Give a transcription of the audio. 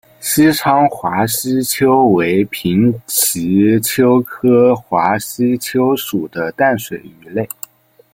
西昌华吸鳅为平鳍鳅科华吸鳅属的淡水鱼类。